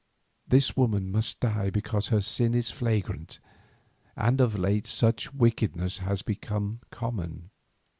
This woman must die because her sin is flagrant, and of late such wickedness has become common.